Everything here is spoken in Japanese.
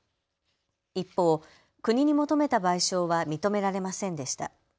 一方、国に求めた賠償は認められませんでした。